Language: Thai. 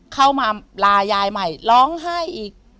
เข้ามาลายายใหม่ร้องไห้อีก